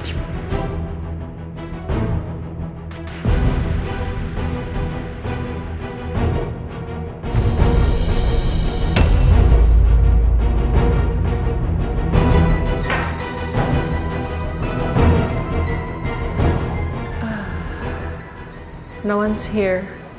tidak ada orang di sini